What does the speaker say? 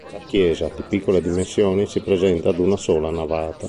La chiesa, di piccole dimensioni, si presenta ad una sola navata.